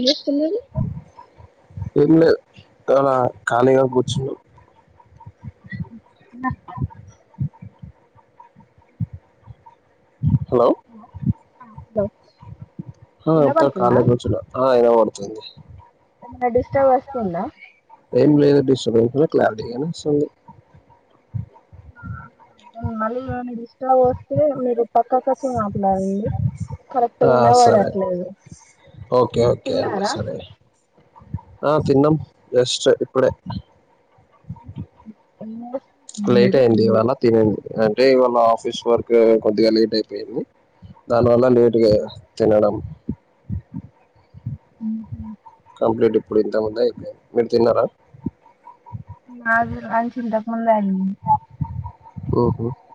ఏ చిన్నది ఏం లేదు అలా కాళగా కూచ [inaudible] అ హలో హలో ఆ అత్త వినబడుతుందా కాలేజ్ కి వచ్చిన ఆ ఇన పడుతుంది నా డిస్టబ్ వస్తుందా ఏం లేదు డిస్టర్బెన్స్ లో క్లారిటీగానీ స ఇ మళ ఇట్లా వస్తే మీరు పక్కా కచ్చి మాట్లాడండి కరెక్ట్ ఆ, సరే వినబడట్లేదు ఓకే ఓకే అండి తిన్నారా సరే ఆ తిన్నాం జస్ట్ ఇప్పుడే ఎన్న లేట్ అయ్యంది ఇవళ తినడి అంటే ఇవాళ ఆఫీస్ వర్క్ కొద్దిగా లేట్ అయిపోయింది దానివల్ల లేటుగా తినడం హు హు కంప్లీట్ ఇప్పుడు ఇంత ముంద అ మీరు తిన్నారా మా అ చింతకు రాని ఓ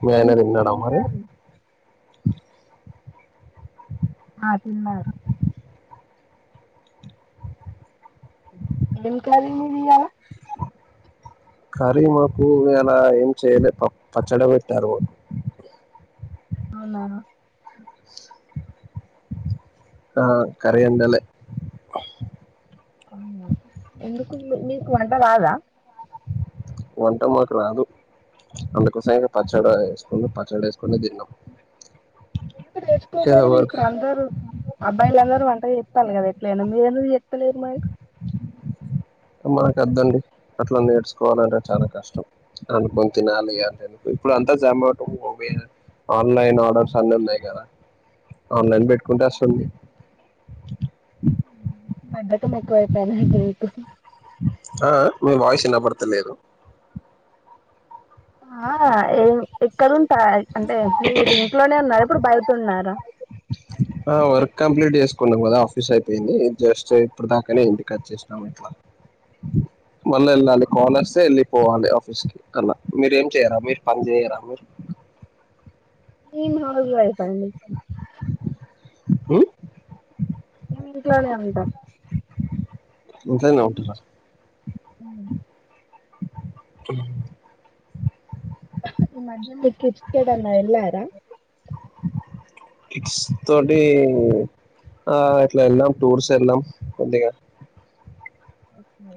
మీ ఆయన ఏం తిన్నాడా మరి కర్రీ ఆ తిన్నారు నిం కార్రి మీది ఇయాల కరీ మాకు అలా ఏం చేయలే ప పచ్చడి పెట్టారు అవునా ఆ కరంటాల అ ఎందు మీకు వంట రాదా వంట మాకు రాదు అందుకోస ఇ పచ్చడి వేసుకు పచ్చడి వేసుకుని తిన్నాం ఎందుకు ఏదో నేర్చుకోపోయిది వర్క్ ఇప్పుడు అందరు అబ్బాయిల అందరూ వంట ఎత్తాల కదా ఎట్లేనా మీర ఎత్తలేరు మారి మనకుద్దండి అట్లా నేర్చుకోవాలంటే చాలా కష్టం అనుకని తినాలి అంట ఎందుకు ఇప్పుడు అంతా జమాటో ఆన్లైన్ ఆర్డర్స్ అన్ని ఉన్నాయి కదా ఆన్లైన్ పెట్టుకుంటేస్తుంది బద [unintelligible] ఆ మేము వాయిస్ విన్నబడతలేదు ఆ ఏ ఎక్కడంటాయి అంటే మీరు ఇది ఇంట్లోనే ఉన్నారు ఇప్పుడు బయటన్నారా ఆ వర్క్ కంప్లీట్ చేసుకున్నాం కదా ఆఫీస్ అయిపోయింది జస్ట్ ఇప్పుడు దాకానే ఇంటికిట్ చేసాం అట్లా మళ్ళీ వెళ్ళాలి కాల్స్తే వెళ్లిపోవాలి ఆఫీస్ కి అలా మీరేం చేయరా మీరు పని చేయరా మీరు నను హౌస్ వైఫ్ అండి హ్మ్ మేమి ఇంట్లోనే ఉంటాం ఇంట్లోనే ఉంటర అ ఈ మాధ్యమిక ఇ న్నా ఎలాార క్స్ తోటి ఆ ఇట్లా వెళ్దాం టూర్స్ వెళ్దాం కొద్దిగా ఓకే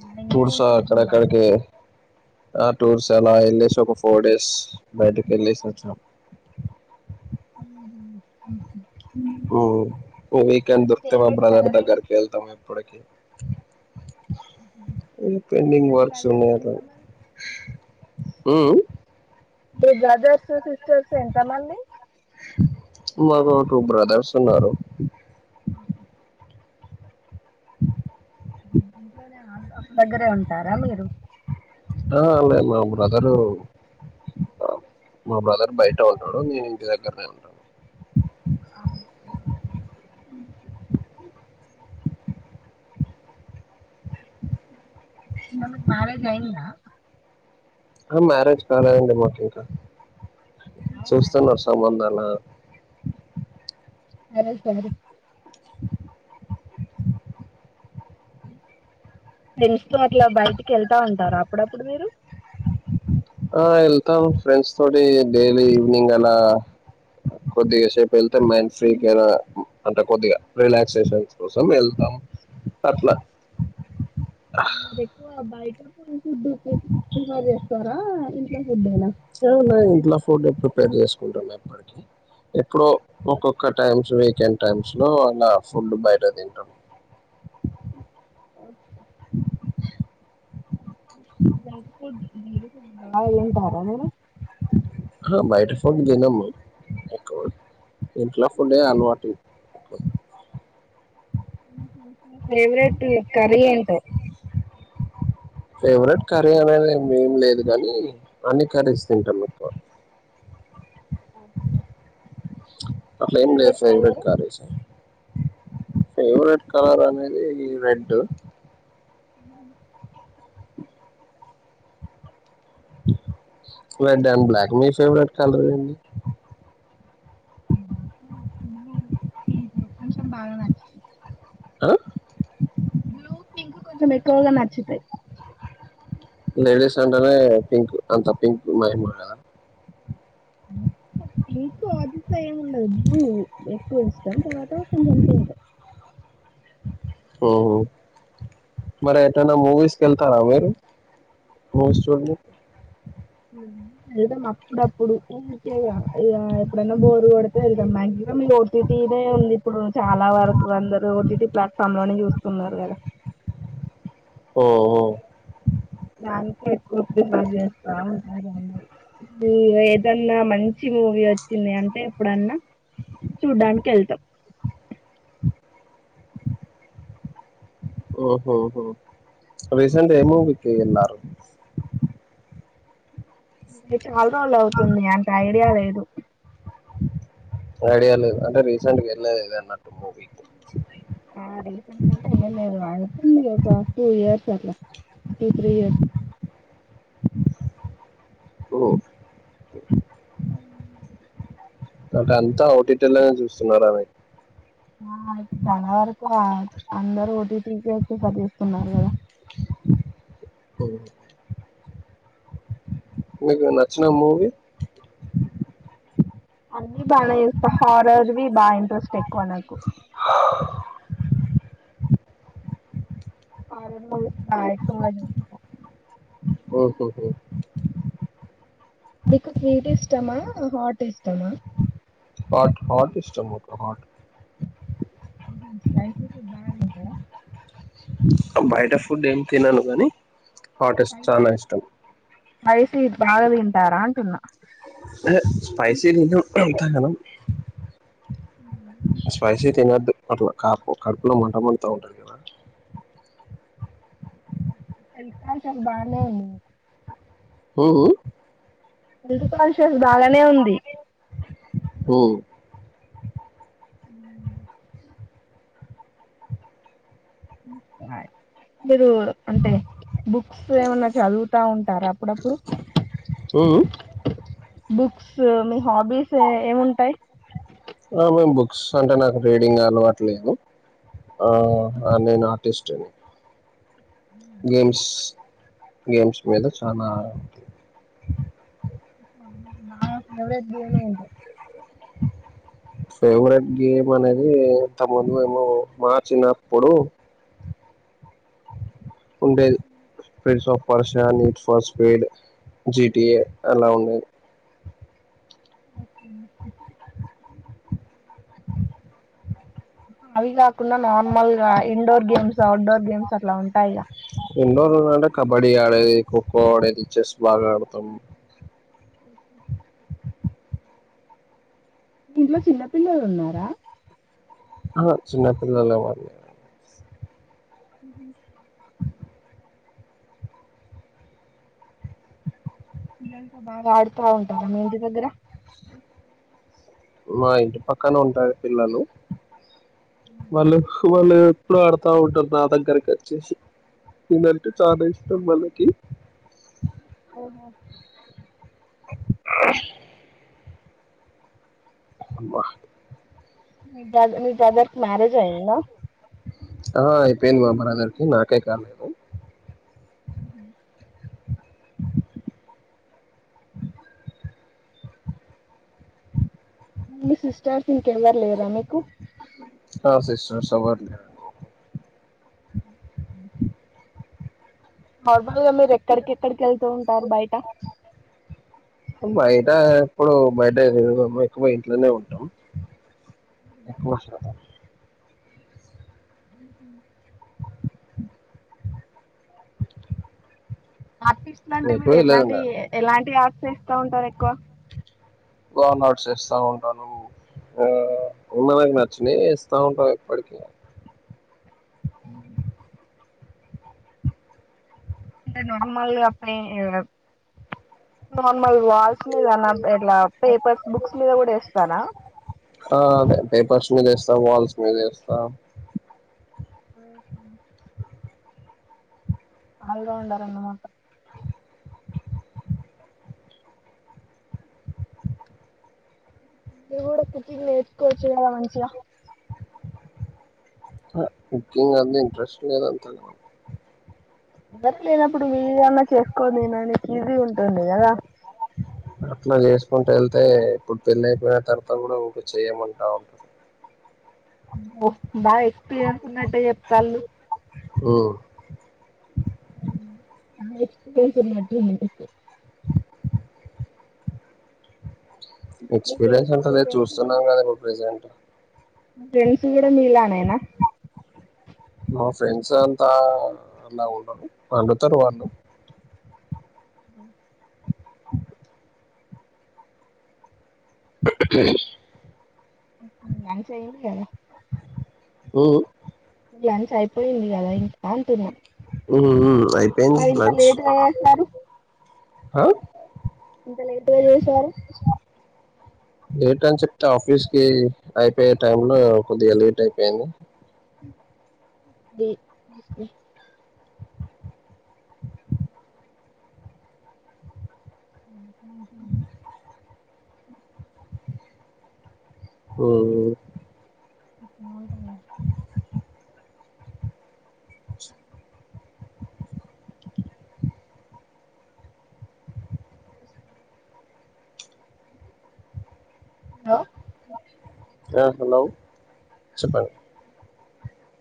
మ ఎ టూర్స్ వటుంద అక్కడక్కడికి ఆ టూర్స్ అలా వెళ్ళసి ఒక ఫోర్ డేస్ బయటకి వెళ్ళేసి వచ్చాం ఉమ్ ఓహో ఉమ్ ఓ వీకండ్ మీ దొర్కుతవా ఫేవరెట్ బ్రదర్ కలర్ దగ్గర వెళ్తామ పడకి ఉమ్ మీ వర్క్స్ బ్రదర్స్ ఉన్నాయి అట్లా ఎంత మంది ఉమ్ ఉ మీ బ్రదర్స్ సిస్టర్స్ ఎంత మంది మాకు టూ బ్రదర్స్ ఉన్నారు అ ఇంట్లోనే అప్పు దగ్గరే ఉంటారా మీరు ఆ అ మా బ్రదరు మా బ్రదర్ బయట ఉంటాడు నేను ఇంటి దగ్గరనే ఉంటాను అను స తనకి మ్యారేజ్ అయిందా ఆ మ్యారేజ్ కాలేదండి మాకింకా అవునా చూస్తాను వ సంబంధాల అరే సర ఫెంస్ లో అట్లా బయటికి వెళ్తా ఉంటారు అప్పుడప్పుడు మీరు ఆ వెళ్తాం ఫ్రెండ్స్ తోటి డైలీ ఈవినింగ్ అలా కొద్దిగా సేపు వెళ్తే మైండ్ ఫ్రీగా అంటే కొద్దిగా రిలాక్సేషన్ కోసం వెళ్తాం అట్లా ఆ మీరు ఎక్కువ బయ ఫుడ్ ఓకే సార్ చేస్తారా ఇంట్లో ఫుడ్డనా అవునా ఇంట్లో ఫుడ్ ప్రిపేర్ చేసుకుంటాం ఎప్పటికి ఎప్పుడో ఒక్కొక్క టైమ్స్ వీకెండ్ టైమ్స్ లో అలా ఫుడ్ బయట తింటాం ఓకే జంక్ ఫడ్ మెరు బాగా థింటారా మెరు బయట ఫుడ్ తినము ఎక్కువ ఇంట్లో ఫుడ్ అలవాటు ఫవరెట్ కర్రీ ఏంటో ఫేవరెట్ కర్రీ అనేది ఏం లేదు గానీ అన్ని కర్రీస్ తింటాారు మీకు అట్లా ఎమ్ లే favourite favourite colour కుర్రీస favourite colour అనేది ఈ red uh red and black మీ ఫేవరెట్ కలర్ అండి నాకు కొంచెం బాగా నచ్చది ఆ బ్లూ పింక కొంచం మకువగా నాచుతాయ్ లేడీస్ అంటనే పింక్ అంత పింక్ మైద మీకు ఆదిస్త ఏమి ఉండదు బ ఎక్కువ ఇష్టం తర్వాత కొంచథం మరి ఎటనా మూవీస్ కళ్తారా మీరు వెల్తాముఅప్పుడప్పుడు ఎప్పుడన్న బోరు కొతే ఎ మాసి లోడ్ ఓటీటీనేే ఉంది ఇప్పుడు చాలా వరకు అందరుూ ఓటీటీ ప్లాట్ఫామ్ లోనే చూస్తున్నారు కదా ఓఓ దానినికి ఎక్కువ ప్ర చేస్తా ఏదన్నా మంచి మూవీ వచ్చింది అంటే ఎప్పుడన్నా చూడ్డానికి వెళ్తాం ఆఓహ రీసెంట్ ఏమూ వి కేన్నారు చాలా రోజులు అవుతుంది అంత ఐడియా లేదు ఐడియా లేదు అంటే రీసెంట్ వెళ్ళదటు మూవీ రీసెంట్గా ఏమీ లేదు లా టూ త్రీ ఇయర్స్ స అే అంత టీ చూ సున్నారా ఆ! ఇప్పుడు కేచ్చి పది తీస్తుకున్నారు కదా ఉ నీకునచ్చిన మూవి అ బానే ఇస్తా హారర్వి బాగా ఇంట్రెస్ట్ ఎక్కువ నాకు హారర్ మూవీస్ బాగా ఎక్కువగా చూస్తా ఓహోహ మీకు స్వీట్ ఇష్టమా హాట్ ఇష్టమా హట్ హట్ ఇస్టమోట హట్ ై బాగా వింటారా బయట ఫుడ్ ఏం తినను కాగానీ వైసిీ భారదంటారా తిన్నా అ తినద్దు అట్లా కాపు కడుపులో మంట మంటతో ఉంటది కదా చకా చ బానే ఉంది హఓ హెల్త్ కాన్షియస్ బాగానే ఉంది మ్ హాయ్. మీరు అంటే బుక్స్ ఏమన్నా చదువు. తా ఉంటారా అప్పుడప్పుడు. ఉమ్మ్. బుక్స్ మీ హాబీస్ ఏముంటాయి. ఆహ్ మేము బుక్స్ అంటే నాకు రీడింగ్ అలవాట్లేదు. ఆహ్ నేను ఆ. ర్టిస్ట్ ని. గేమ్స్ గేమ్స్ మీద చానా. అ [inaudible] నా ఫేవరేట్ గేమ్ ఏది. ఫేవరెట్ గేమ్ అనేది ఇంతకుముందు ఏమో మా చిన్నప్పుడు. ఉండేది friends of. పర్షియ neat ఫాస్ spade GTA అలా ఉండేవి. ఓకే అండి ఉమ్. అవి గాకుండా నార్మల్ గా ఇండోర్ గేమ్స్ ఔడ్డోర్ గేమ్స్ అట్లా ఉంటాయిగా. ఇండోర్ అంటే కబడ్డీ ఆడేది కొకో ఆడేది చెస్ బాగా ఆడుతం. ఓకే. ఇంట్లో చిన్నపిల్లలు ఉన్నారా. ఆహ్ చిన్నపిల్లలు ఎవరు లేరు. ఉమ్మ్మ్ పిల్లలతో బాగా ఆడుతా ఉంటారా మీ ఇంటి దగ్గర. మా ఇంటి పక్కన ఉంటాయి పిల్లలు. వాళ్ళు వాళ్ళ. ఎప్పుడు ఆడుతా ఉంటారు నా దగ్గరకి వచ్చేసి నేనంటే చాలా ఇష్టం వాళ్ళకి. ఓహో. [inaudible] అబ్బా. మీ బ్రదర్ మీ బ్రదర్కి మ్యారేజ్. అయిందా. పెను మాబ్రదర్ కి నాకే కాలేదు ఉహూ. మీ సిస్టర్స్ ఇంకెవ్వరు లేరా మీకు. ఆహ్ సిస్టర్స్ ఎవ్వరు లేరండి. ఉమ్. నార్మల్ గా మీరు ఎక్కడికెక్కడికి వెళ్తూ ఉంటారు బయట. బయట ఎప్పుడు బయట తిరగము ఎక్కువ ఇంట్లనే ఉంటాం ఎక్కువ శాతం. ఆర్టిస్ట్ లంటే ఎటు మీరు వెళ్ళదు ఎట్లాంటి ఇంకా ఎలాంటి ఆర్. చేస్తా ఉంటారు ఎక్కువ. వాల్ నట్స్ ఎస్తా ఉంటాను. ఆహ్ ఉన్నవే నచ్చియే ఎస్తా ఉంటా ఎప్పటికి. అంటే నార్మల్ గా ప్లే నార్. వాల్స్ మీదనా ఇట్లా పేపర్స్ బుక్స్ మీద కూడా ఎస్తారా. ఆ, అదే [unintelligible] వేస్తా వాల్ మీద వేస్తా ఉ ఆల్ రౌండర్ అన్నమాట ఇవి కూడా కుకింగ్ నేర్చుకోవచ్చు కదా మంచిగా ఆహా కుకింగ్ మీద ఇంట్రస్ట్ లేదు అంతగా [unintelligible] లేనప్పుడు నువ్వే అన్న చేసుకోనీ తినానికి ఈజీ ఉంటంది తుంది కదా అట్లా చేసుకుంటూ వెళ్తే ఇప్పుడు పెళ్లి అయిపోయిన తర్వాత కూడా చేయమంటా ఉంటారు అబ్బో బాగా ఎక్స్పీరియన్స్ ఉన్నట్టే చెప్తాళ్ళు హు హు బాగా ఎక్స్పీరియన్స్ ఉన్నట్టు మీకు అ మీ ఎక్స్పీరియన్స్ ఫ్రెండ్స్ మీ ఉంటది ఫ్రెండ్స్ కూడా చూస్తున్నాం కదా ఇప్పుడు ప్రజెంట్ ఫ్రెండ్స్ కూడా నీళనేనా మా ఫ్రెండ్స్ అంతా అలా ఉండరు అండుతారు వాళ్ళు ఉ ఉహు [unintelligible] చేయలే కదా ఉ డ్యాన్స్ అయిపో పోయింది కదా ఇంకా అంటున్నా అయిపోయింది మరి ఇంత లేట్గా వస్తారు ఆ ఇంత లేటుగా ఎమ్ సరే లేట్ అని చెప్తే ఆఫీస్ కి అయిపోయే టైమ్ లో కొద్దిగా లేట్ అయిపోయింది. ది [unintelligible] ఉ థ్యాంక్ యూ అండి ఆ ఆ [inaudible] హలో ఆ హలో చెప్పండి